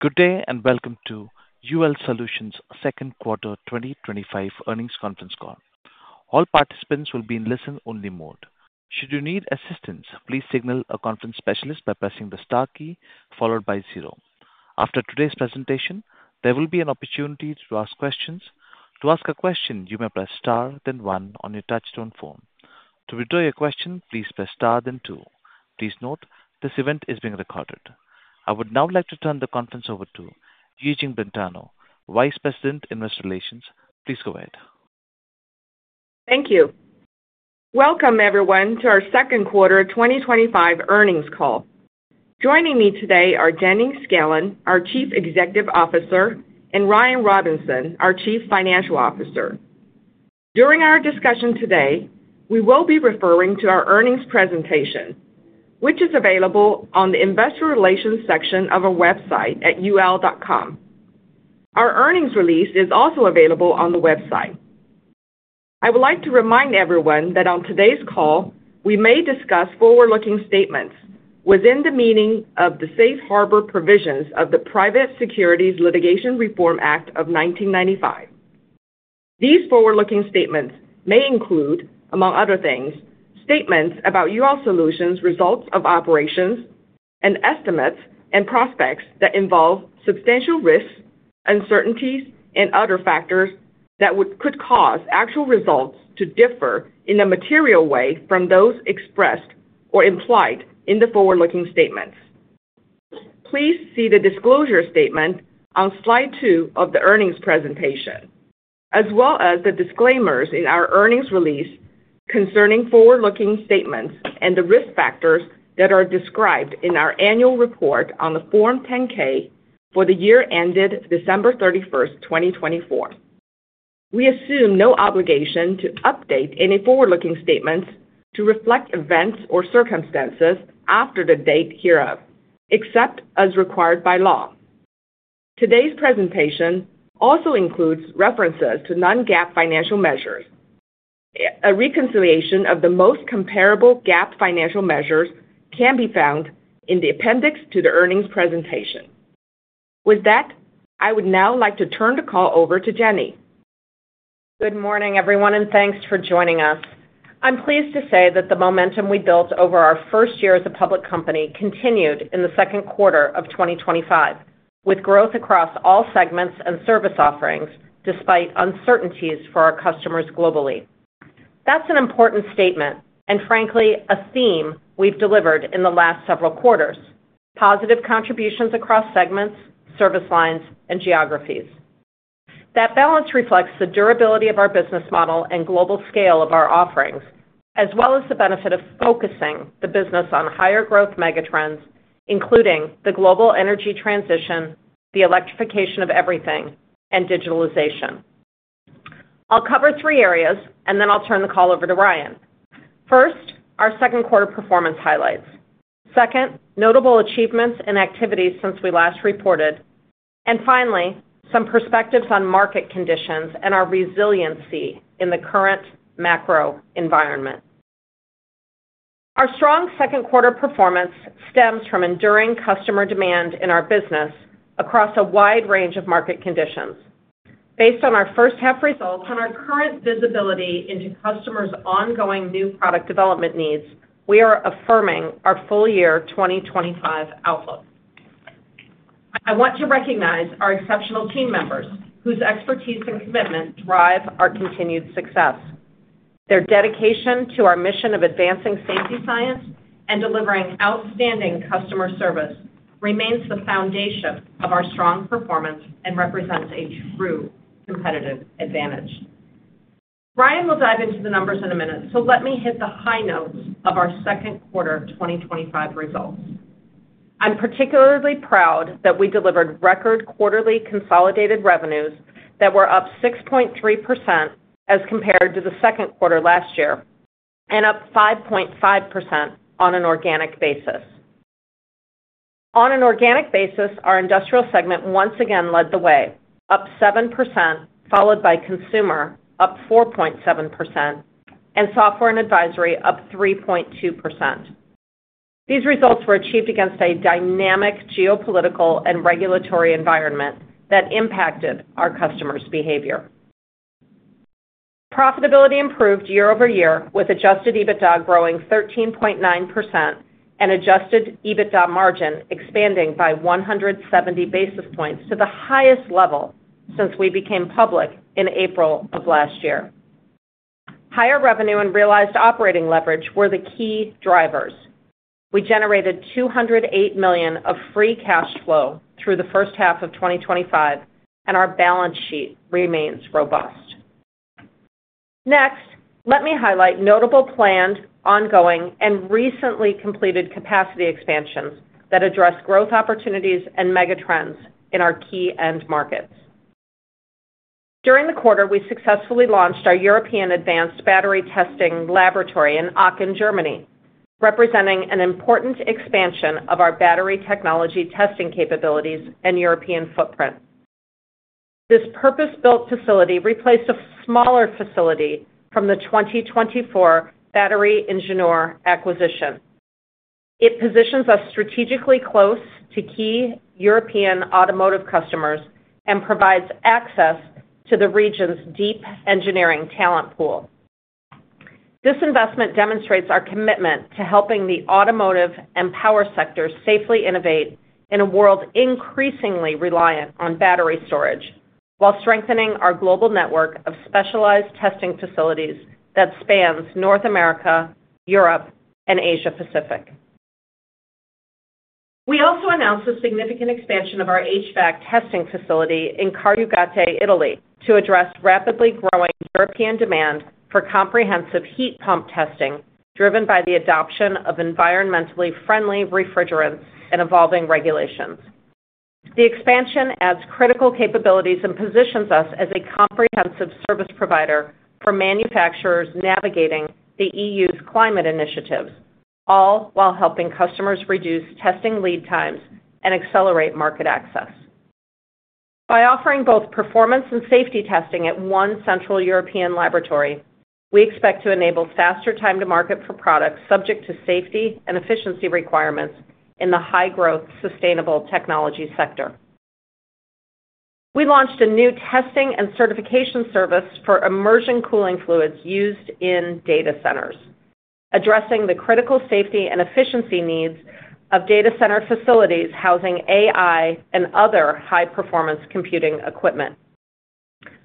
Good day and welcome to UL Solutions Second Quarter 2025 Earnings Conference Call. All participants will be in listen only mode. Should you need assistance, please signal a conference specialist by pressing the star key followed by zero. After today's presentation, there will be an opportunity to ask questions. To ask a question, you may press star then one on your touch-tone phone. To withdraw your question, please press star then two. Please note this event is being recorded. I would now like to turn the conference over to Yijing Brentano, Vice President, Investor Relations. Please go ahead. Thank you. Welcome everyone to our Second Quarter 2025 Earnings Call. Joining me today are Jennifer F. Scanlon, our Chief Executive Officer, and Ryan D. Robinson, our Chief Financial Officer. During our discussion today, we will be referring to our earnings presentation, which is available on the Investor Relations section of our website at ul.com. Our earnings release is also available on the website. I would like to remind everyone that on today's call, we may discuss forward-looking statements within the meaning of the safe harbor provisions of the Private Securities Litigation Reform Act of 1995. These forward-looking statements may include, among other things, statements about UL Solutions, results of operations, and estimates and prospects that involve substantial risks, uncertainties, and other factors that could cause actual results to differ in a material way from those expressed or implied in the forward-looking statements. Please see the disclosure statement on Slide 2 of the earnings presentation as well as the disclaimers in our earnings release concerning forward-looking statements and the risk factors that are described in our annual report on the Form 10-K for the year ended December 31, 2024. We assume no obligation to update any forward-looking statements to reflect events or circumstances after the date hereof, except as required by law. Today's presentation also includes references to non-GAAP financial measures. A reconciliation of the most comparable GAAP financial measures can be found in the appendix to the earnings presentation. With that, I would now like to turn the call over to Jennifer. Good morning everyone, and thanks for joining us. I'm pleased to say that the momentum we built over our first year as a public company continued in the second quarter of 2025 with growth across all segments and service offerings despite uncertainties for our customers globally. That's an important statement and, frankly, a theme we've delivered in the last several quarters. Positive contributions across segments, service lines, and geographies. That balance reflects the durability of our business model and global scale of our offerings as well as the benefit of focusing the business on higher growth megatrends, including the global energy transition, the electrification of everything, and digitalization. I'll cover three areas and then I'll turn the call over to Ryan. First, our second quarter performance highlights. Second, notable achievements and activities since we last reported, and finally, some perspectives on market conditions and our resiliency in the current macro environment. Our strong second quarter performance stems from enduring customer demand in our business across a wide range of market conditions. Based on our first half results and our current visibility into customers' ongoing new product development needs, we are affirming our full year 2025 outlook. I want to recognize our exceptional team members whose expertise and commitment drive our continued success. Their dedication to our mission of advancing safety, science, and delivering outstanding customer service remains the foundation of our strong performance and represents a true competitive advantage. Ryan will dive into the numbers in a minute, so let me hit the high notes of our second quarter 2025 results. I'm particularly proud that we delivered record quarterly consolidated revenues that were up 6.3% as compared to the second quarter last year and up 5.5% on an organic basis. On an organic basis, our industrial segment once again led the way, up 7%, followed by consumer up 4.7% and software and advisory up 3.2%. These results were achieved against a dynamic geopolitical and regulatory environment that impacted our customers' behavior. Profitability improved year-over-year, with adjusted EBITDA growing 13.9% and adjusted EBITDA margin expanding by 170 basis points to the highest level since we became public in April of last year. Higher revenue and realized operating leverage were the key drivers. We generated $208 million of free cash flow through the first half of 2025, and our balance sheet remains robust. Next, let me highlight notable planned, ongoing, and recently completed capacity expansions that address growth opportunities and megatrends in our key end markets. During the quarter, we successfully launched our European Advanced Battery Testing Laboratory in Aachen, Germany, representing an important expansion of our battery technology testing capabilities and European footprint. This purpose-built facility replaced a smaller facility from the 2024 Battery Ingenieur acquisition. It positions us strategically close to key European automotive customers and provides access to the region's deep engineering talent pool. This investment demonstrates our commitment to helping the automotive and power sectors safely innovate in a world increasingly reliant on battery storage while strengthening our global network of specialized testing facilities that spans North America, Europe, and Asia Pacific. We also announced a significant expansion of our HVAC testing facility in Carugate, Italy to address rapidly growing European demand for comprehensive heat pump testing, driven by the adoption of environmentally friendly refrigerants and evolving regulations. The expansion adds critical capabilities and positions us as a comprehensive service provider for manufacturers navigating the EU's climate initiatives, all while helping customers reduce testing lead times and accelerate market access. By offering both performance and safety testing at one central European laboratory, we expect to enable faster time to market for products subject to safety and efficiency requirements in the high-growth sustainable technology sector. We launched a new testing and certification service for immersion cooling fluids used in data centers, addressing the critical safety and efficiency needs of data center facilities housing AI and other high-performance computing equipment.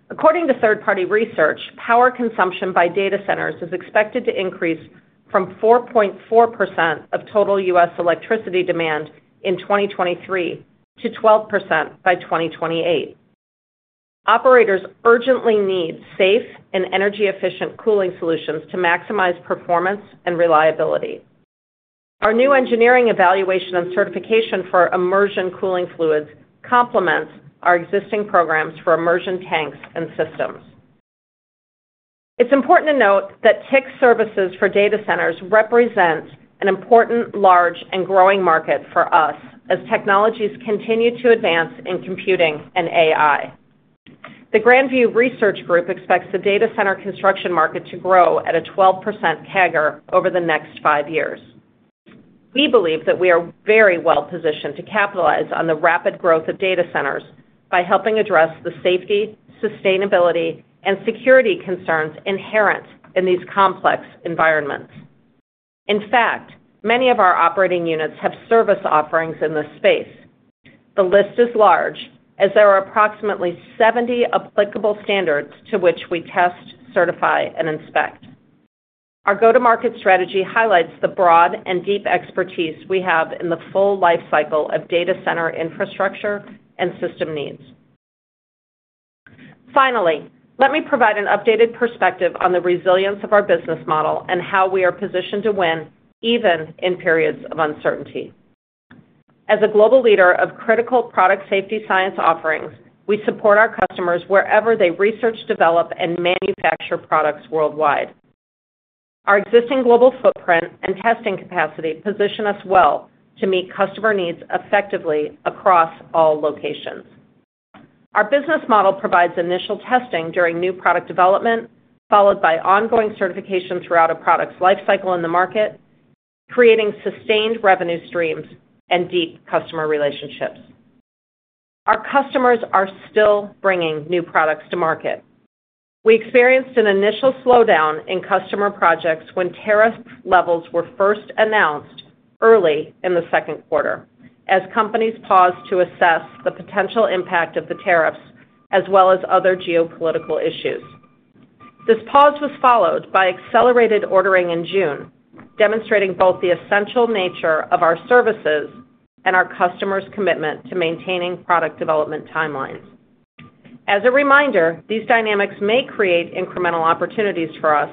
According to third-party research, power consumption by data centers is expected to increase from 4.4% of total U.S. electricity demand in 2023 to 12% by 2028. Operators urgently need safe and energy-efficient cooling solutions to maximize performance and reliability. Our new engineering evaluation and certification for immersion cooling fluids complements our existing programs for immersion tanks and systems. It's important to note that TIC services for data centers represent an important large and growing market for us as technologies continue to advance in computing and AI. The Grand View Research expects the data center construction market to grow at a 12% CAGR over the next five years. We believe that we are very well positioned to capitalize on the rapid growth of data centers by helping address the safety, sustainability, and security concerns inherent in these complex environments. In fact, many of our operating units have service offerings in this space. The list is large as there are approximately 70 applicable standards to which we test, certify, and inspect. Our go-to-market strategy highlights the broad and deep expertise we have in the full lifecycle of data center infrastructure and system needs. Finally, let me provide an updated perspective on the resilience of our business model and how we are positioned to win even in periods of uncertainty. As a global leader of critical product safety science offerings, we support our customers wherever they research, develop, and manufacture products worldwide. Our existing global footprint and testing capacity position us well to meet customer needs effectively across all locations. Our business model provides initial testing during new product development, followed by ongoing certification throughout a product's lifecycle in the market, creating sustained revenue streams and deep customer relationships. Our customers are still bringing new products to market. We experienced an initial slowdown in customer projects when tariff levels were first announced early in the second quarter as companies paused to assess the potential impact of the tariffs as well as other geopolitical issues. This pause was followed by accelerated ordering in June, demonstrating both the essential nature of our services and our customers' commitment to maintaining product development timelines. As a reminder, these dynamics may create incremental opportunities for us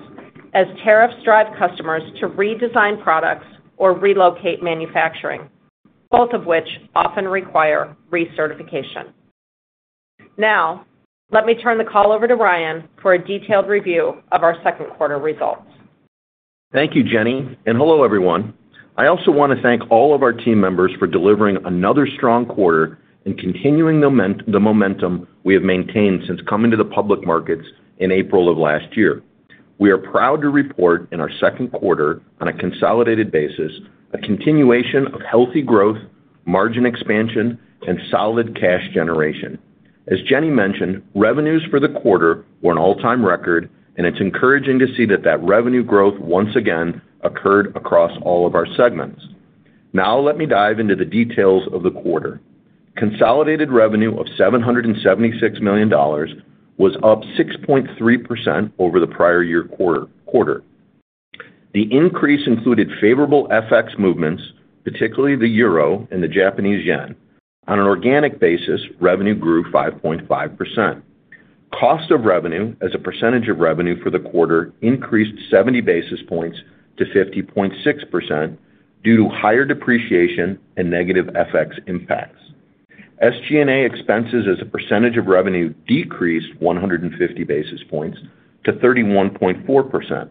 as tariffs drive customers to redesign products or relocate manufacturing, both of which often require recertification. Now let me turn the call over to Ryan for a detailed review of our second quarter results. Thank you, Jenny, and hello everyone. I also want to thank all of our team members for delivering another strong quarter and continuing the momentum we have maintained since coming to the public markets in April of last year. We are proud to report in our second quarter on a consolidated basis a continuation of healthy growth, margin expansion, and solid cash generation. As Jenny mentioned, revenues for the quarter were an all-time record, and it's encouraging to see that that revenue growth once again occurred across all of our segments. Now let me dive into the details of the quarter. Consolidated revenue of $776 million was up 6.3% over the prior year quarter. The increase included favorable FX movements, particularly the Euro and the Japanese Yen. On an organic basis, revenue grew 5.5%. Cost of revenue as a percentage of revenue for the quarter increased 70 basis points to 50.6% due to higher depreciation and negative FX impacts. SG&A expenses as a percentage of revenue decreased 150 basis points to 31.4%.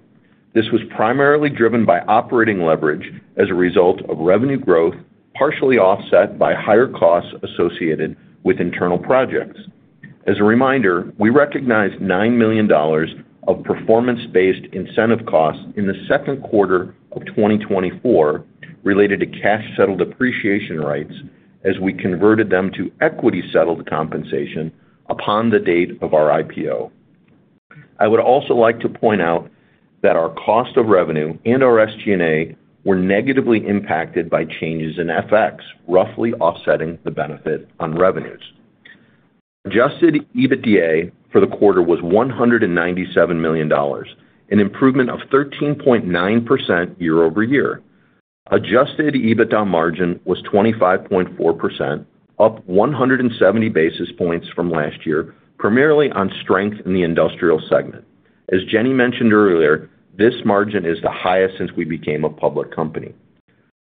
This was primarily driven by operating leverage as a result of revenue growth, partially offset by higher costs associated with internal projects. As a reminder, we recognize $9 million of performance-based incentive costs in the second quarter of 2024 related to cash-settled appreciation rights as we converted them to equity-settled compensation upon the date of our IPO. I would also like to point out that our cost of revenue and our SG&A were negatively impacted by changes in FX, roughly offsetting the benefit on revenues. Adjusted EBITDA for the quarter was $197 million, an improvement of 13.9% year-over-year. Adjusted EBITDA margin was 25.4%, up 170 basis points from last year, primarily on strength in the Industrial segment. As Jenny mentioned earlier, this margin is the highest since we became a public company.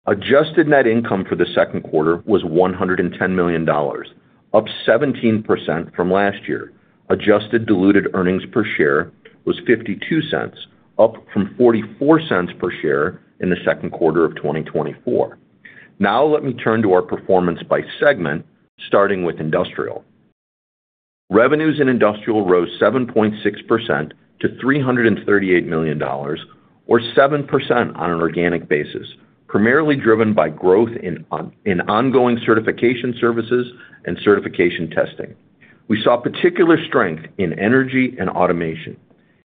Adjusted net income for the second quarter was $110 million, up 17% from last year. Adjusted diluted earnings per share was $0.52, up from $0.44 per share in the second quarter of 2024. Now let me turn to our performance by segment, starting with Industrial. Revenues in Industrial rose 7.6% to $338 million, or 7% on an organic basis, primarily driven by growth in ongoing certification services and certification testing. We saw particular strength in energy and automation.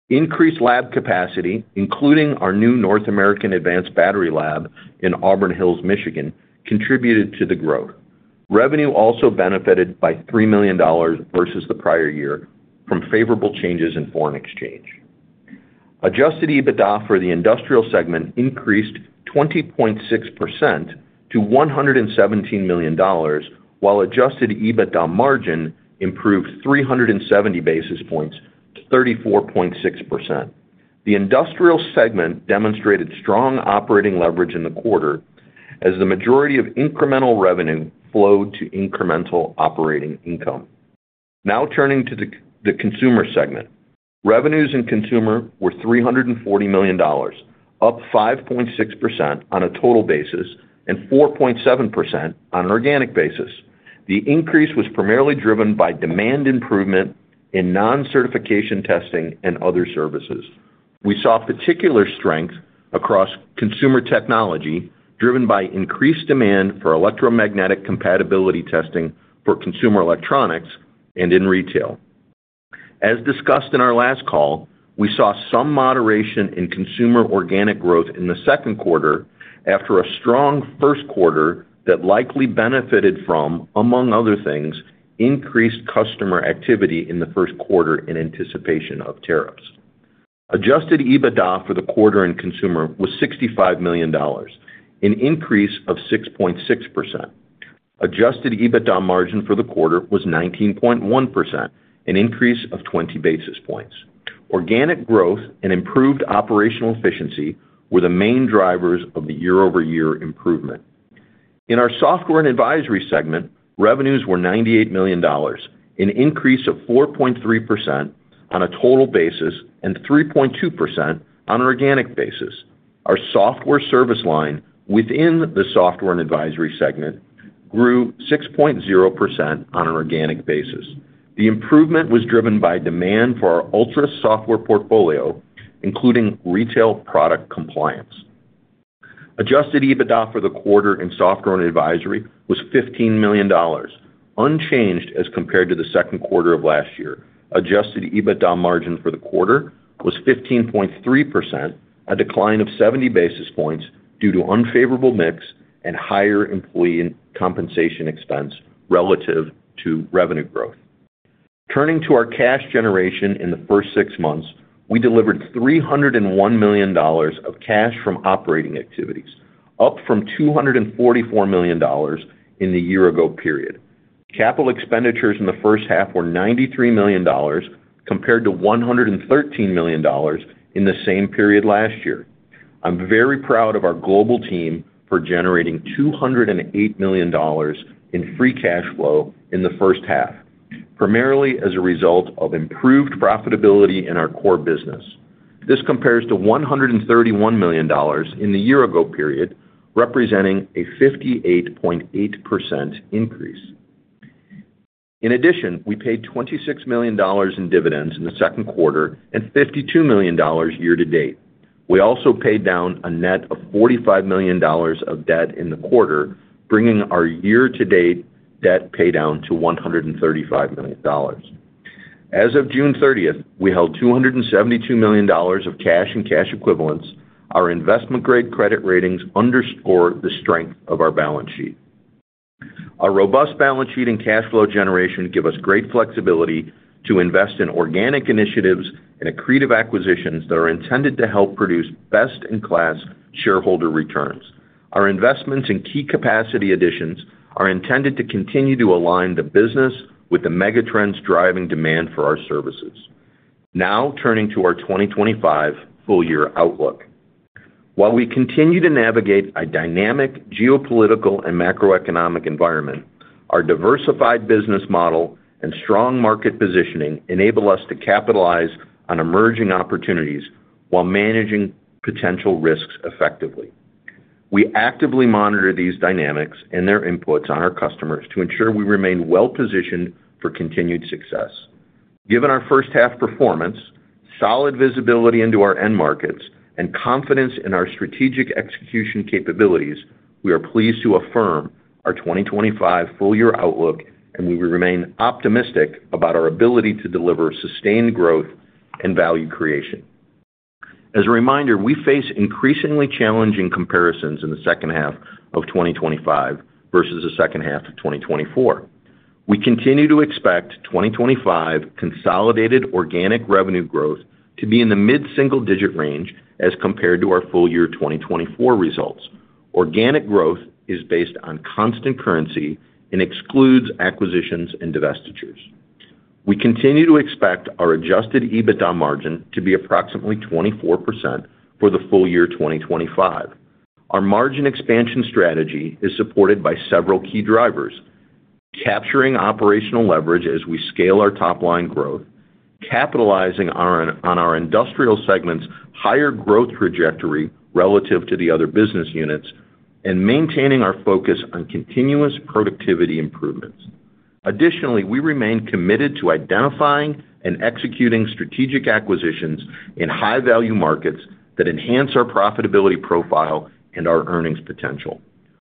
Increased lab capacity, including our new North American Advanced Battery Lab in Auburn Hills, Michigan, contributed to the growth. Revenue also benefited by $3 million versus the prior year from favorable changes in foreign exchange. Adjusted EBITDA for the Industrial segment increased 20.6% to $117 million, while adjusted EBITDA margin improved 370 basis points to 34.6%. The Industrial segment demonstrated strong operating leverage in the quarter as the majority of incremental revenue flowed to incremental operating income. Now turning to the Consumer segment, revenues in Consumer were $340 million, up 5.6% on a total basis and 4.7% on an organic basis. The increase was primarily driven by demand improvement in non-certification testing and other services. We saw particular strength across consumer technology driven by increased demand for electromagnetic compatibility testing for consumer electronics and in retail. As discussed in our last call, we saw some moderation in consumer organic growth in the second quarter after a strong first quarter that likely benefited from, among other things, increased customer activity in the first quarter in anticipation of tariffs. Adjusted EBITDA for the quarter in Consumer was $65 million, an increase of 6.6%. Adjusted EBITDA margin for the quarter was 19.1%, an increase of 20 basis points. Organic growth and improved operational efficiency were the main drivers of the year-over-year improvement in our Software and Advisory segment. Revenues were $98 million, an increase of 4.3% on a total basis and 3.2% on an organic basis. Our software service line within the Software and Advisory segment grew 6.0% on an organic basis. The improvement was driven by demand for our Altra software portfolio including retail product compliance. Adjusted EBITDA for the quarter in Software and Advisory was $15 million, unchanged as compared to the second quarter of last year. Adjusted EBITDA margin for the quarter was 15.3%, a decline of 70 basis points due to unfavorable mix and higher employee compensation expense relative to revenue growth. Turning to our cash generation, in the first six months we delivered $301 million of cash from operating activities, up from $244 million in the year-ago period. Capital expenditures in the first half were $93 million compared to $113 million in the same period last year. I'm very proud of our global team for generating $208 million in free cash flow in the first half, primarily as a result of improved profitability in our core business. This compares to $131 million in the year-ago period, representing a 58.8% increase. In addition, we paid $26 million in dividends in the second quarter and $52 million year to date. We also paid down a net of $4.45 million of debt in the quarter, bringing our year to date debt pay down to $135 million. As of June 30, we held $272 million of cash and cash equivalents. Our investment grade credit ratings underscore the strength of our balance sheet. Our robust balance sheet and cash flow generation give us great flexibility to invest in organic initiatives and accretive acquisitions that are intended to help produce best in class shareholder returns. Our investments in key capacity additions are intended to continue to align the business with the megatrends driving demand for our services. Now turning to our 2025 full year outlook, while we continue to navigate a dynamic geopolitical and macroeconomic environment, our diversified business model and strong market positioning enable us to capitalize on emerging opportunities while managing potential risks effectively. We actively monitor these dynamics and their inputs on our customers to ensure we remain well positioned for continued success. Given our first half performance, solid visibility into our end markets and confidence in our strategic execution capabilities, we are pleased to affirm our 2025 full year outlook and we remain optimistic about our ability to deliver sustained growth and value creation. As a reminder, we face increasingly challenging comparisons in the second half of 2025 versus the second half of 2024. We continue to expect 2025 consolidated organic revenue growth to be in the mid single digit range as compared to our full year 2024 results. Organic growth is based on constant currency and excludes acquisitions and divestitures. We continue to expect our adjusted EBITDA margin to be approximately 24% for the full year 2025. Our margin expansion strategy is supported by several key drivers capturing operational leverage as we scale our top line growth, capitalizing on our industrial segment's higher growth trajectory relative to the other business units and maintaining our focus on continuous productivity improvements. Additionally, we remain committed to identifying and executing strategic acquisitions in high value markets that enhance our profitability profile and our earnings potential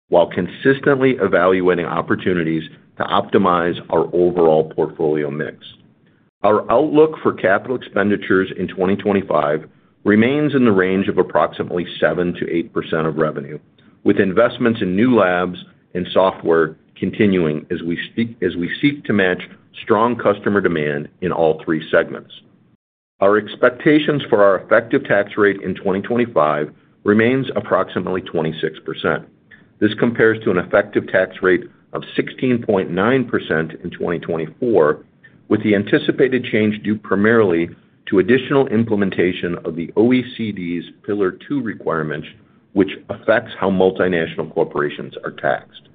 while consistently evaluating opportunities to optimize our overall portfolio mix. Our outlook for capital expenditures in 2025 remains in the range of approximately 7%-8% of revenue, with investments in new labs and software continuing as we speak. As we seek to match strong customer demand in all three segments, our expectations for our effective tax rate in 2025 remains approximately 26%. This compares to an effective tax rate of 16.9% in 2024, with the anticipated change due primarily to additional implementation of the OECD's Pillar Two requirements, which affects how multinational corporations are taxed.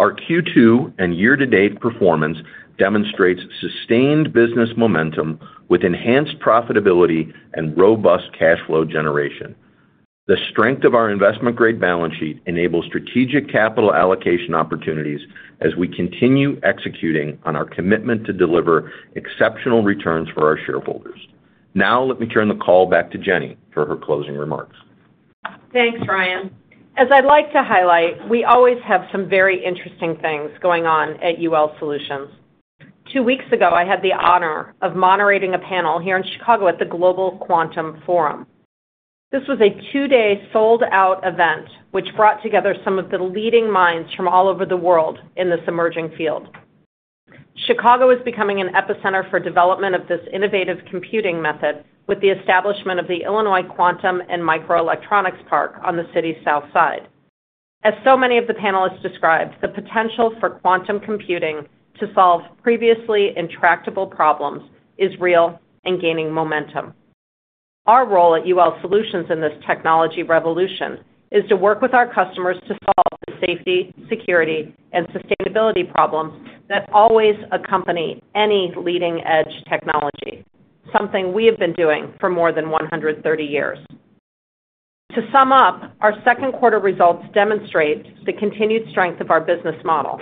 Our Q2 and year-to-date performance demonstrates sustained business momentum with enhanced profitability and robust cash flow generation. The strength of our investment grade balance sheet enables strategic capital allocation opportunities as we continue executing on our commitment to deliver exceptional returns for our shareholders. Now let me turn the call back to Jenny for her closing remarks. Thanks, Ryan. As I'd like to highlight, we always have some very interesting things going on at UL Solutions. Two weeks ago, I had the honor of moderating a panel here in Chicago at the Global Quantum Forum. This was a two-day sold-out event which brought together some of the leading minds from all over the world in this emerging field. Chicago is becoming an epicenter for development of this innovative computing method with the establishment of the Illinois Quantum and Microelectronics Park on the city's South Side. As so many of the panelists described, the potential for quantum computing to solve previously intractable problems is real and gaining momentum. Our role at UL Solutions in this technology revolution is to work with our customers to solve safety, security, and sustainability problems that always accompany any leading-edge technology, something we have been doing for more than 130 years. To sum up, our second quarter results demonstrate the continued strength of our business model.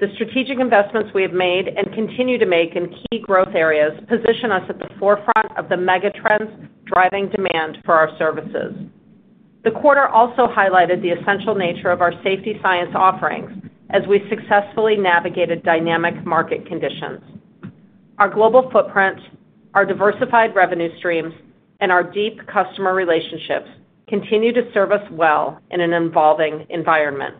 The strategic investments we have made and continue to make in key growth areas position us at the forefront of the megatrends driving demand for our services. The quarter also highlighted the essential nature of our safety science offerings as we successfully navigated dynamic market conditions. Our global footprint, our diversified revenue streams, and our deep customer relationships continue to serve us well in an evolving environment.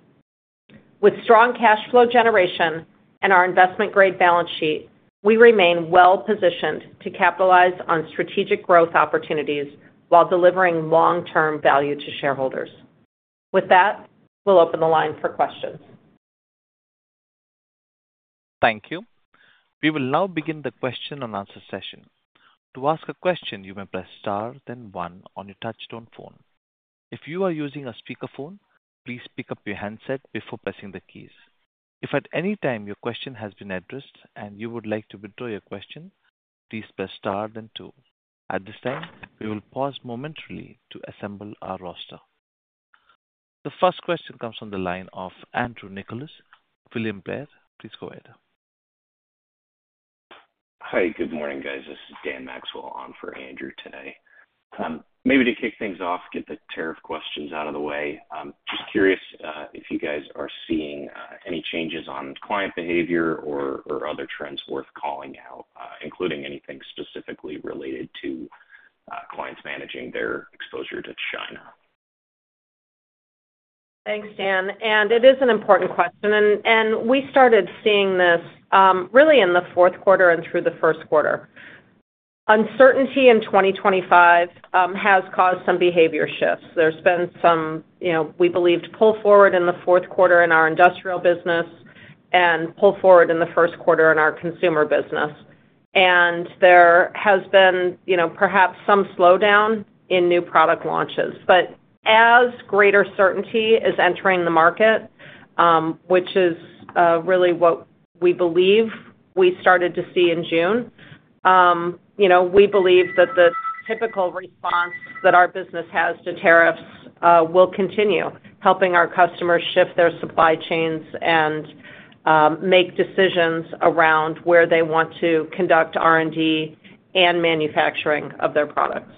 With strong cash flow generation and our investment grade balance sheet, we remain well positioned to capitalize on strategic growth opportunities while delivering long-term value to shareholders. With that, we'll open the line for questions. Thank you. We will now begin the question and answer session. To ask a question, you may press Star then one on your touchtone phone. If you are using a speakerphone, please pick up your handset before pressing the keys. If at any time your question has been addressed and you would like to withdraw your question, please press Star then two. At this time, we will pause momentarily to assemble our roster. The first question comes from the line of Andrew Nicholas with William Blair. Please go ahead. Hi, good morning, guys. This is Dan Maxwell on for Andrew today. Maybe to kick things off, get the tariff questions out of the way. Just curious if you guys are seeing any changes on client behavior or other trends worth calling out, including anything specifically related to clients managing their exposure to China. Thanks, Dan. It is an important question, and we started seeing this really in the fourth quarter and through the first quarter. Uncertainty in 2025 has caused some behavior shifts. There has been, you know, we believed, pull forward in the fourth quarter in our industrial business and pull forward in the first quarter in our consumer business. There has been perhaps some slowdown in new product launches. As greater certainty is entering the market, which is really what we believe we started to see in June, we believe that the typical response that our business has to tariffs will continue, helping our customers shift their supply chains and make decisions around where they want to conduct R&D and manufacturing of their products.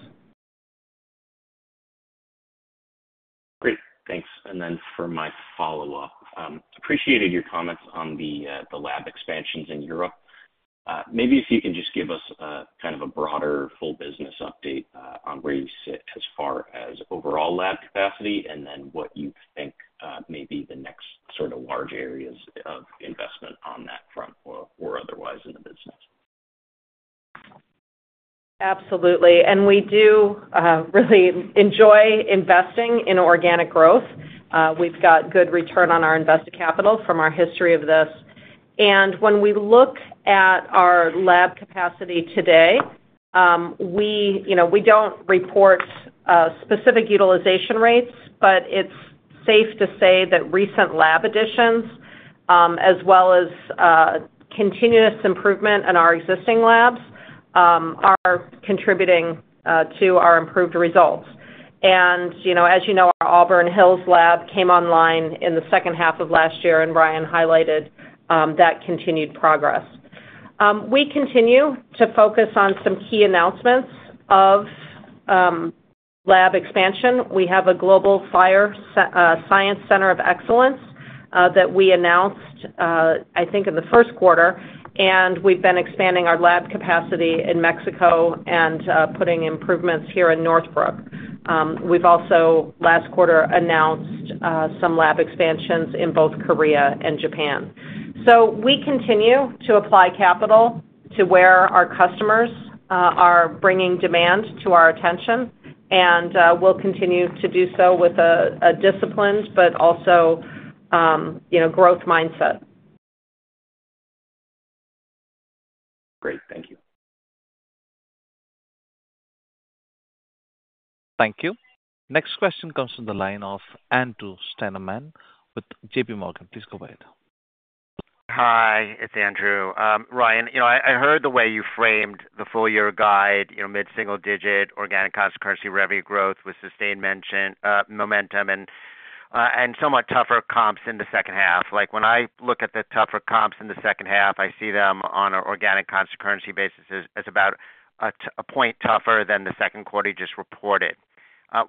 Great. Thanks. For my follow up, I appreciated your comments on the lab expansions in Europe. Maybe if you can just give us. Kind of a broader full business update on where you sit as far as overall lab capacity, and then what you think maybe the next sort of large areas of investment on that front or otherwise in the business. Absolutely. We do really enjoy investing in organic growth. We've got good return on our invested capital from our history of this. When we look at our lab capacity today, we don't report specific utilization rates, but it's safe to say that recent lab additions as well as continuous improvement in our existing labs are contributing to our improved results. As you know, our Auburn Hills lab came online in the second half of last year and Ryan highlighted that continued progress. We continue to focus on some key announcements of lab expansion. We have a global Fire Science Center of Excellence that we announced, I think, in the first quarter. We've been expanding our lab capacity in Mexico and putting improvements here in Northbrook. Last quarter, we also announced some lab expansions in both Korea and Japan. We continue to apply capital to where our customers are bringing demand to our attention. We'll continue to do so with a disciplined but also growth mindset. Great, thank you. Thank you. Next question comes from the line of Andrew Steinerman with JP Morgan. Please go ahead. Hi, it's Andrew. Ryan, I heard the way you framed the full year guide mid single digit organic constant currency revenue growth with sustained momentum and somewhat tougher comps in the second half. When I look at the tougher comps in the second half, I see them on an organic constant currency basis as about a point tougher than the second quarter you just reported.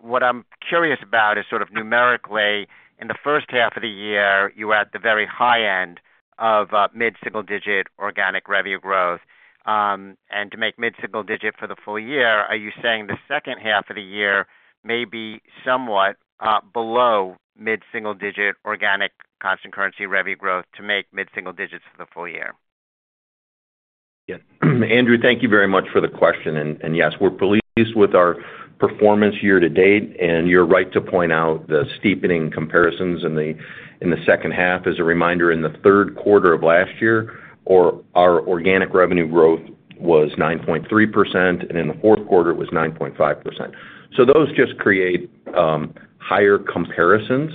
What I'm curious about is sort of numerically in the first half of the year, you were at the very high end of mid single digit organic revenue growth. To make mid single digit for the full year, are you saying the second half of the year may be somewhat below mid single digit organic constant currency revenue growth to make mid single digits for the full year? Yes. Andrew, thank you very much for the question. Yes, we're pleased with our performance year to date. You're right to point out the steepening comparisons in the second half. As a reminder, in the third quarter of last year our organic revenue growth was 9.3% and in the fourth quarter it was 9.5%. Those just create higher comparisons.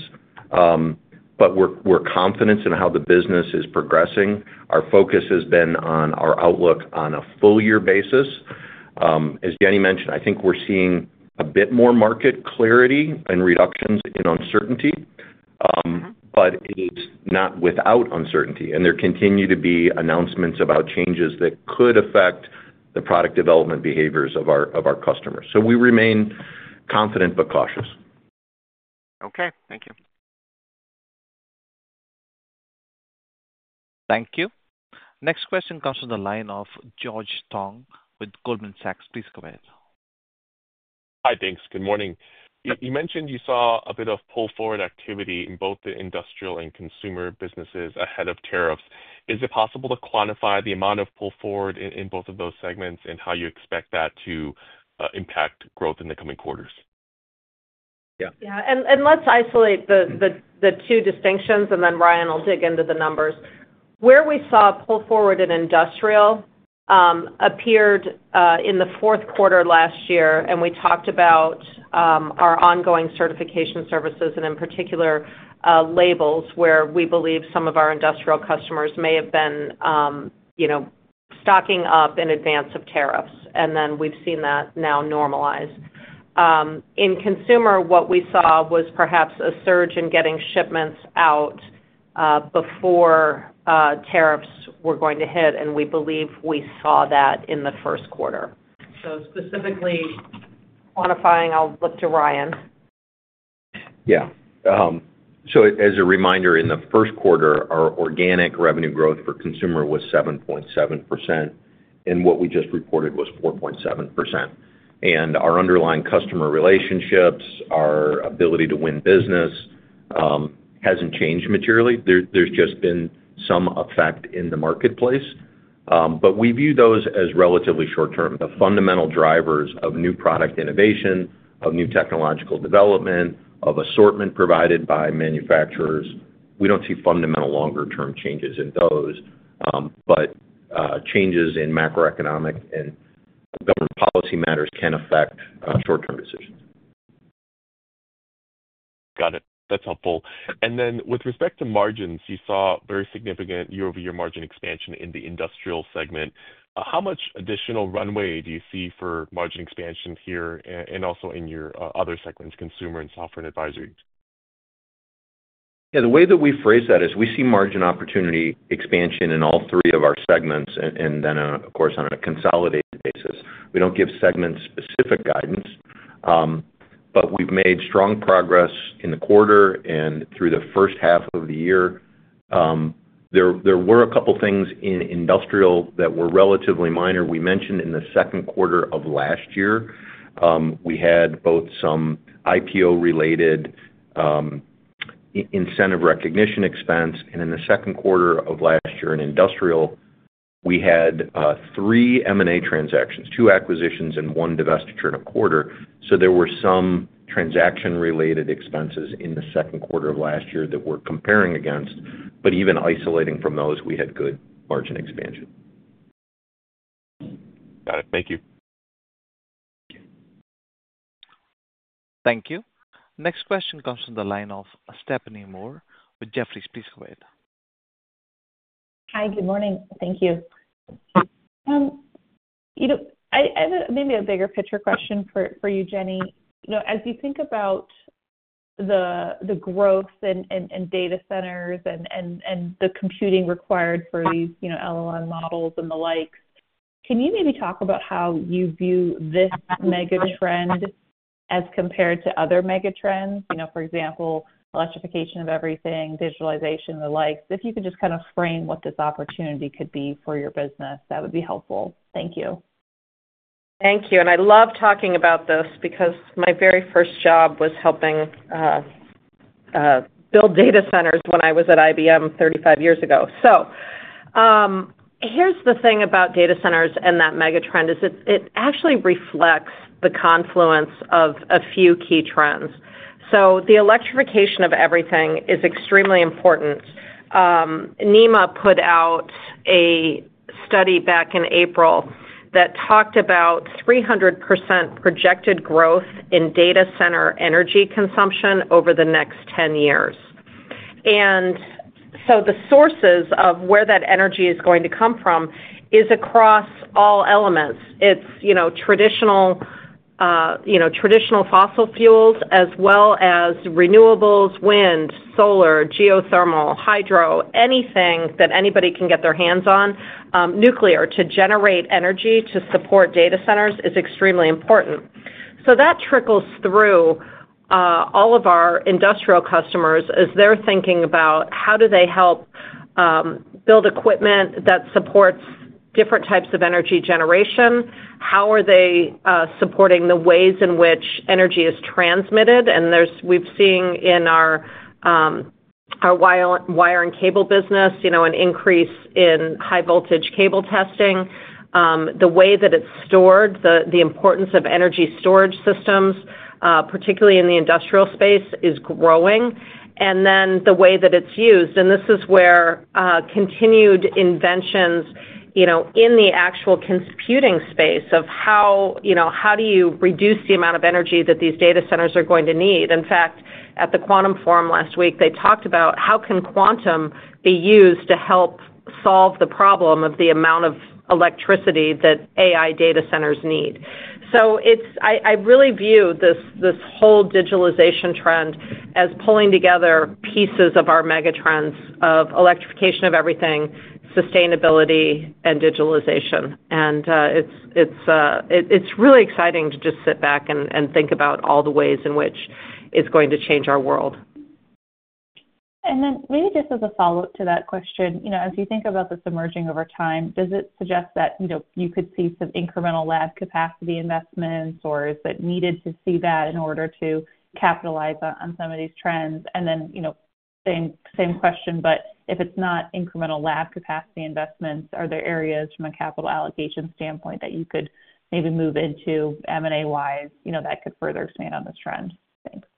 We're confident in how the business is progressing. Our focus has been on our outlook on a full year basis. As Dan mentioned, I think we're seeing a bit more market clarity and reductions in uncertainty. It is not without uncertainty. There continue to be announcements about changes that could affect the product development behaviors of our customers. We remain confident but cautious. Okay, thank you. Thank you. Next question comes from the line of George Tong with Goldman Sachs. Please go ahead. Hi. Thanks. Good morning. You mentioned you saw a bit of pull forward activity in both the industrial and consumer businesses ahead of tariffs. Is it possible to quantify the amount of pull forward in both of those segments, and how you expect that to impact growth in the coming quarters? Yeah. Let's isolate the two distinctions, and then Ryan will dig into the numbers. We saw a pull forward in industrial appear in the fourth quarter last year, and we talked about our ongoing certification services, and in particular labels, where we believe some of our industrial customers may have been stocking up in advance of tariffs. We've seen that now normalize. In consumer, what we saw was perhaps a surge in getting shipments out before tariffs were going to hit, and we believe we saw that in the first quarter. Specifically quantifying, I'll look to Ryan. As a reminder, in the first quarter our organic revenue growth for consumer was 7.7% and what we just reported was 4.7%. Our underlying customer relationships, our ability to win business hasn't changed materially. There's just been some effect in the marketplace. We view those as relatively short term. The fundamental drivers of new product innovation, of new technological development, of assortment provided by manufacturers, we don't see fundamental longer term changes in those, but changes in macroeconomic and different policy matters can affect short term decisions. Got it. That's helpful. With respect to margins, you saw very significant year-over-year margin expansion in the industrial segment. How much additional runway do you see for margin expansion here? Also, in your other segments, consumer and software and advisory. The way that we phrase that is we see margin opportunity expansion in all three of our segments. Of course, on a consolidated basis, we don't give segment specific guidance, but we've made strong progress in the quarter and through the first half of the year. There were a couple things in industrial that were relatively minor. We mentioned in the second quarter of last year we had both some IPO related incentive recognition expense, and in the second quarter of last year in industrial we had three M&A transactions, two acquisitions and one divestiture in a quarter. There were some transaction related expenses in the second quarter of last year that we're comparing against. Even isolating from those, we had good margin expansion. Got it. Thank you. Thank you. Next question comes from the line of Stephanie Moore with Jefferies. Please go ahead. Hi, good morning. Thank you. You know, I have maybe a bigger picture question for you, Jenny. You know, as you think about the growth in data centers and the computing required for these, you know, LLN models and the like, can you maybe talk about how you view this megatrend as compared to other megatrends? For example, electrification of everything, digitalization, the likes. If you could just kind of frame what this opportunity could be for your business, that would be helpful. Thank you. Thank you. I love talking about this because my very first job was helping build data centers when I was at IBM 35 years ago. Here's the thing about data centers and that megatrend: it actually reflects the confluence of a few key trends. The electrification of everything is extremely important. NEMA put out a study back in April that talked about 300% projected growth in data center energy consumption over the next 10 years. The sources of where that energy is going to come from is across all elements. It's traditional fossil fuels as well as renewables, wind, solar, geothermal, hydro, anything that anybody can get their hands on. Nuclear to generate energy to support data centers is extremely important. That trickles through all of our industrial customers as they're thinking about how do they help build equipment that supports different types of energy generation, how are they supporting the ways in which energy is transmitted. We've seen in our wire and cable business an increase in high voltage cable testing, the way that it's stored. The importance of energy storage systems, particularly in the industrial space, is growing and then the way that it's used. This is where continued inventions in the actual computing space of how do you reduce the amount of energy that these data centers are going to need. In fact, at the Quantum Forum last week, they talked about how can quantum be used to help solve the problem of the amount of electricity that AI data centers need. I really view this whole digitalization trend as pulling together pieces of our megatrends, of electrification of everything, sustainability, and digitalization. It's really exciting to just sit back and think about all the ways in which it's going to change our world. Maybe just as a follow up to that question, as you think about this emerging over time, does it suggest that you could see some incremental lab capacity investments or is it needed to see that in order to capitalize on some of these trends? Same question, but if it's not incremental lab capacity investments, are there areas from a capital allocation standpoint that you could maybe move into M&A wise that could further expand on this trend? Thanks.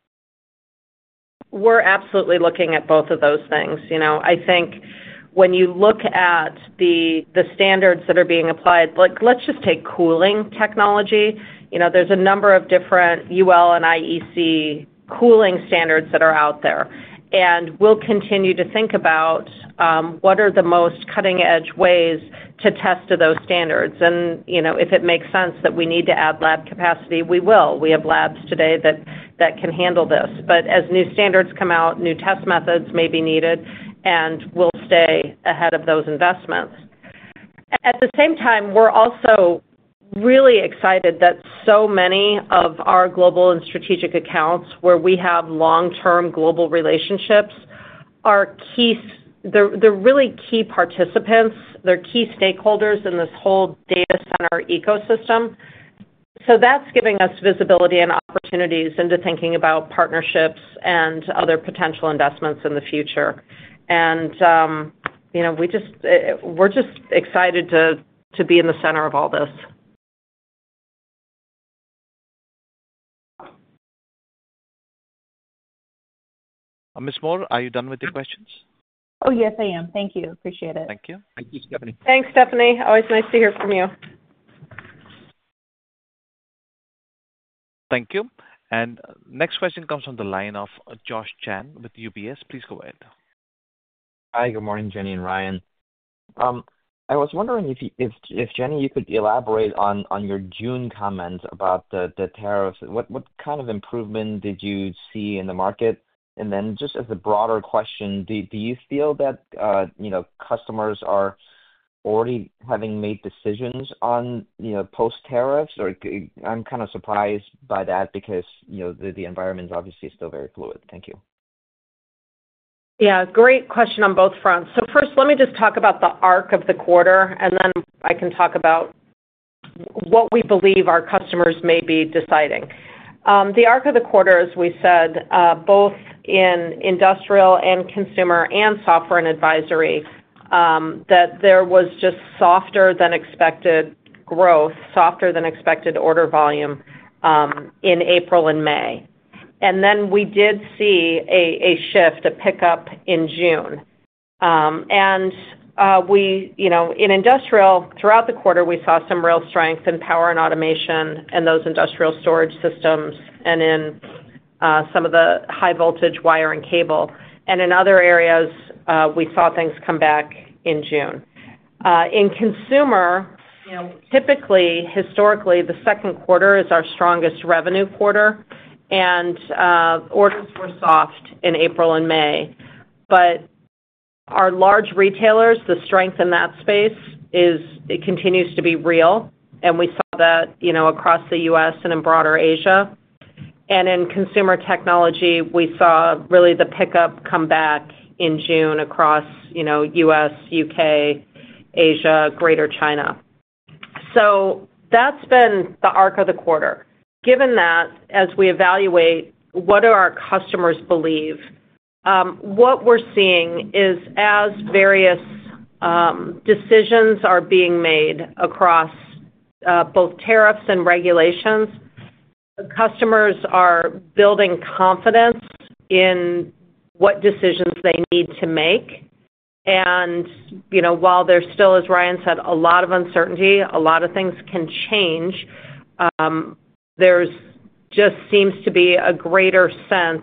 We're absolutely looking at both of those things. I think when you look at the standards that are being applied, like let's just take cooling technology, there's a number of different UL and IEC cooling standards that are out there, and we'll continue to think about what are the most cutting edge ways to test to those standards. If it makes sense that we need to add lab capacity, we will. We have labs today that can handle this. As new standards come out, new test methods may be needed, and we'll stay ahead of those investments. At the same time, we're also really excited that so many of our global and strategic accounts where we have long term global relationships are key. They're really key participants, they're key stakeholders in this whole data center ecosystem. That's giving us visibility and opportunities into thinking about partnerships and other potential investments in the future. We're just excited to be in the center of all this. Ms. Moore, are you done with your questions? Oh, yes, I am. Thank you. Appreciate it. Thank you. Thank you, Stephanie. Thanks, Stephanie. Always nice to hear from you. Thank you. The next question comes from the line of Josh Chan with UBS. Please go ahead. Hi, good morning, Jenny and Ryan. I was wondering if, Jenny, you could elaborate on your June comments about the tariffs. What kind of improvement did you see in the market? Just as a broader question, do you feel that customers are already. Having made decisions on post-tariffs, I'm kind of surprised by that because the environment obviously is still very fluid. Thank you. Great question on both fronts. First, let me just talk about the arc of the quarter and then I can talk about what we believe our customers may be deciding. The arc of the quarter, as we said, both in industrial and consumer and software and advisory, there was just softer than expected growth, softer than expected order volume in April and May. We did see a shift, a pickup in June. In industrial throughout the quarter, we saw some real strength in power and automation and those industrial storage systems and in some of the high voltage wire and cable. In other areas, we saw things come back in June. In consumer, typically, historically, the second quarter is our strongest revenue quarter and orders were soft in April and May. Our large retailers, the strength in that space, it continues to be real. We saw that across the U.S. and in broader Asia, and in consumer technology, we saw really the pickup come back in June across U.S., U.K., Asia, greater China. That's been the arc of the quarter. Given that, as we evaluate what our customers believe, what we're seeing is as various decisions are being made across both tariffs and regulations, customers are building confidence in what decisions they need to make. While there's still, as Ryan D. Robinson said, a lot of uncertainty, a lot of things can change. There just seems to be a greater sense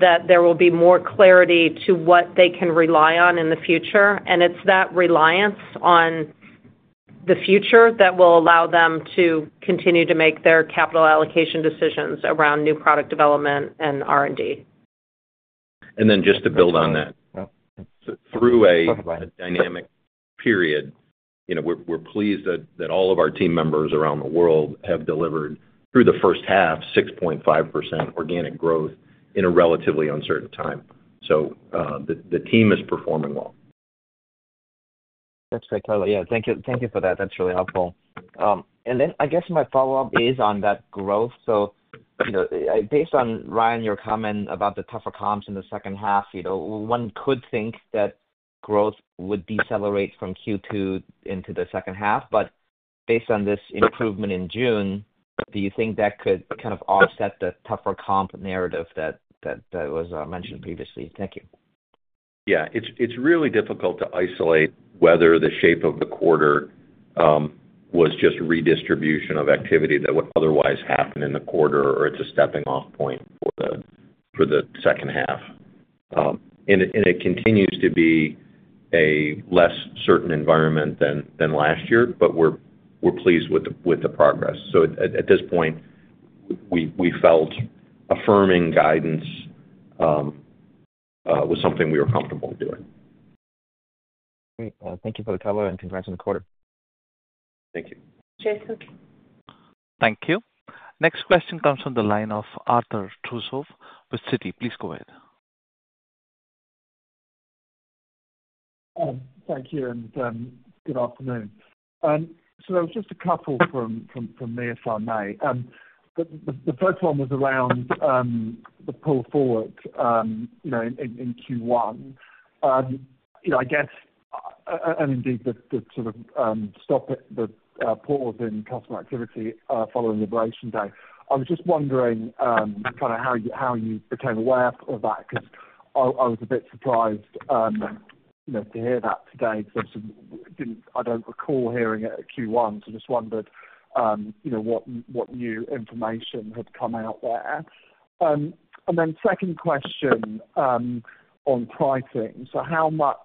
that there will be more clarity to what they can rely on in the future. It's that reliance on the future that will allow them to continue to make their capital allocation decisions around new product development and R&D. To build on that through a dynamic period, you know, we're pleased that all of our team members around the world have delivered through the first half 6.5% organic growth in a relatively uncertain time. The team is performing well. That's great, color. Yeah, thank you for that. That's really helpful. I guess my follow up is on that growth. You know, based on Ryan, your comment about the tougher comps in the second half, you know, one could think that growth would decelerate from Q2 into the second half. Based on this improvement in June, do you think that could kind of offset the tougher comp narrative that was mentioned previously? Thank you. Yeah, it's really difficult to isolate whether the shape of the quarter was just redistribution of activity that would otherwise happen in the quarter, or it's a stepping off point for the second half. It continues to be a less certain environment than last year. We're pleased with the progress. At this point, we felt affirming guidance was something we were comfortable doing. Thank you for the color and congrats on the quarter. Thank you. Thank you. Next question comes from the line of Arthur Truslove with Citi. Please go ahead. Thank you, and good afternoon. Just a couple from me, if I may. The first one was around the pull forward in Q1, I guess, and indeed the sort of stop, the pause in customer activity following the aberration day. I was just wondering how you became aware of that because I was a bit surprised to hear that today because I don't recall hearing it at Q1. Just wondered what new information had come out there. Second question on pricing. Are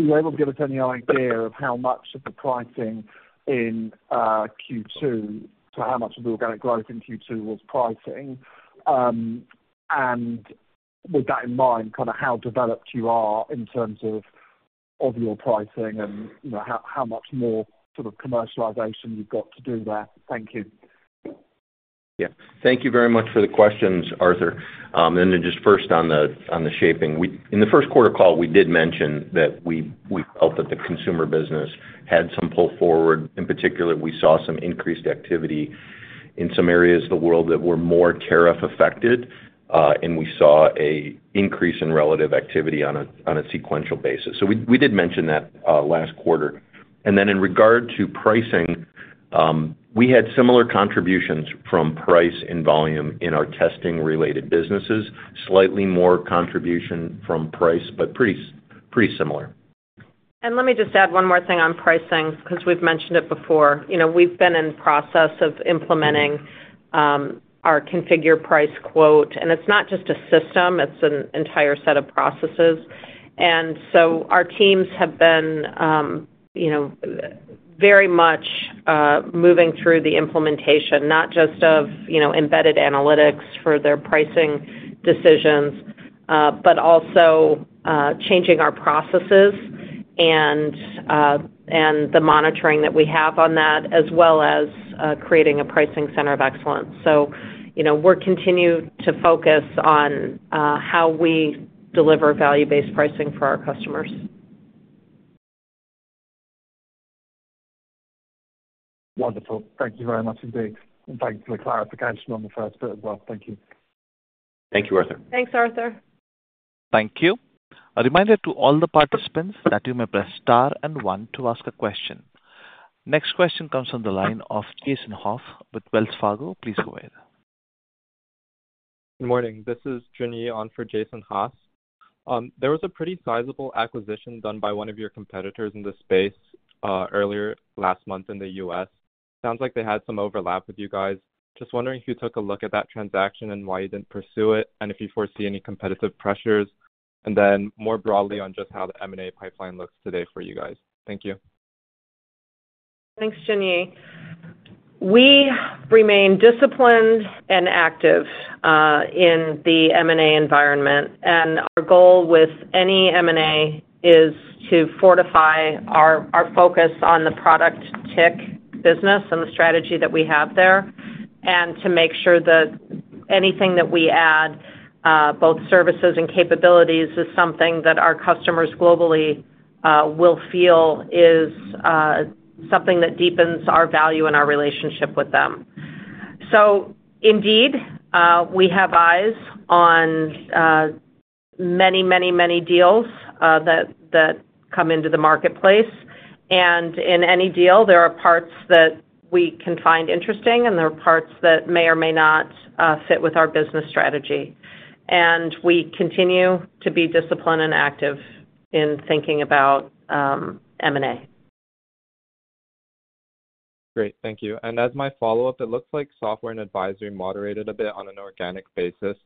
you able to give us any idea of how much of the pricing in Q2, how much of the organic growth in Q2 was pricing? With that in mind, how developed you are in terms of your pricing and how much more commercialization you've got to do there. Thank you. Thank you very much for the questions, Arthur. Just first on the shaping, in the first quarter call, we did mention that we felt that the consumer business had some pull forward. In particular, we saw some increased activity in some areas of the world that were more tariff affected, and we saw an increase in relative activity on a sequential basis. We did mention that last quarter. In regard to pricing, we had similar contributions from price and volume in our testing related businesses, with slightly more contribution from price but pretty similar. Let me just add one more thing on pricing because we've mentioned it before. We've been in process of implementing our configure price quote, and it's not just a system, it's an entire set of processes. Our teams have been very much moving through the implementation not just of embedded analytics for their pricing decisions, but also changing our processes and the monitoring that we have on that, as well as creating a pricing center of excellence. We're continuing to focus on how we deliver value based pricing for our customers. Wonderful. Thank you very much indeed. Thanks for the clarification on the first bit as well. Thank you. Thank you, Arthur. Thanks Arthur. Thank you. A reminder to all the participants that you may press star and one to ask a question. Next question comes from the line of Jason Haas with Wells Fargo. Please go ahead. Good morning, this is Jun Yi on for Jason Haas. There was a pretty sizable acquisition done by one of your competitors in the space earlier last month in the U.S. Sounds like they had some overlap with you guys. Just wondering if you took a look at that transaction and why you didn't pursue it and if you foresee any competitive pressures, and then more broadly on just how the M&A pipeline looks today for you guys. Thank you. Thanks, Jun Yi. We remain disciplined and active in the M&A environment. Our goal with any M&A is to fortify our focus on the product TIC business and the strategy that we have there, and to make sure that anything that we add, both services and capabilities, is something that our customers globally will feel is something that deepens our value and our relationship with them. We have eyes on many, many, many deals that come into the marketplace. In any deal, there are parts that we can find interesting and there are parts that may or may not fit with our business strategy. We continue to be disciplined and active in thinking about M&A. Great, thank you. As my follow up, it looks like software and advisory moderated a bit on an organic basis.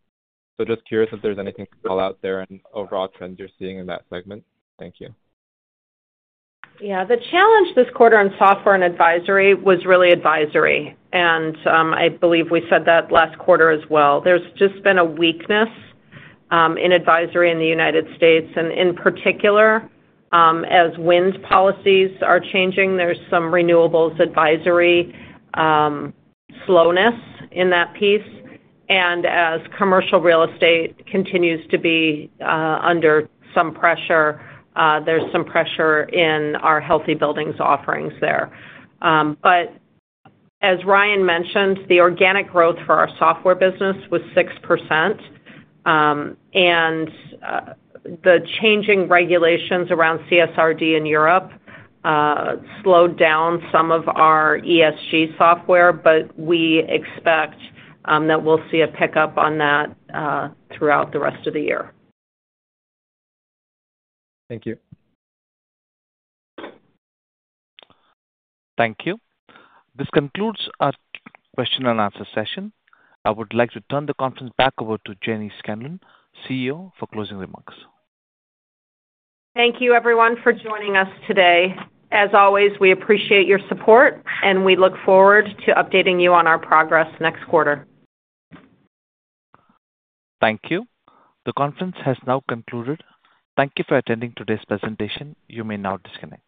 Just curious if there's anything out there and overall trends you're seeing in that segment. Thank you. Yeah, the challenge this quarter on software and advisory was really advisory, and I believe we said that last quarter as well. There's just been a weakness in advisory in the U.S., and in particular as wind policies are changing, there's some renewables advisory slowness in that piece. As commercial real estate continues to be under some pressure, there's some pressure in our healthy buildings offerings there. As Ryan mentioned, the organic growth for our software business was 6%. The changing regulations around CSRD in Europe slowed down some of our ESG software, but we expect that we'll see a pickup on that throughout the rest of the year. Thank you. Thank you. This concludes our question and answer session. I would like to turn the conference back over to Jenny Scanlon, CEO, for closing remarks. Thank you everyone for joining us today. As always, we appreciate your support, and we look forward to updating you on our progress next quarter. Thank you. The conference has now concluded. Thank you for attending today's presentation. You may now disconnect.